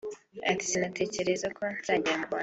Ati “Sinatekerezaga ko nzagera mu Rwanda